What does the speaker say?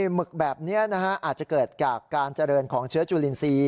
หมึกแบบนี้อาจจะเกิดจากการเจริญของเชื้อจุลินทรีย์